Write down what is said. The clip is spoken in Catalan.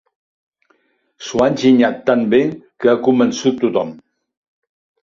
S'ho ha enginyat tan bé, que ha convençut tothom.